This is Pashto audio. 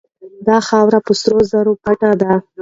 دا خاوره په سرو زرو پټه ده.